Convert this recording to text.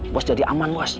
bos jadi aman bos